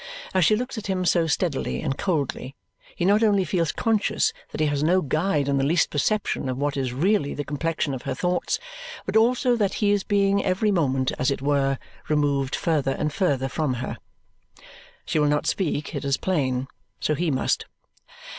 As she looks at him so steadily and coldly, he not only feels conscious that he has no guide in the least perception of what is really the complexion of her thoughts, but also that he is being every moment, as it were, removed further and further from her. She will not speak, it is plain. So he must.